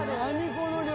この量。